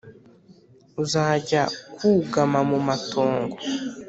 uzajya kwugama mu matongo